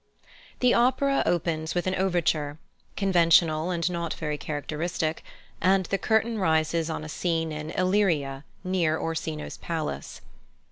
The opera opens with an overture, conventional and not very characteristic, and the curtain rises on a scene in Illyria, near Orsino's palace.